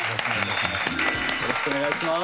よろしくお願いします。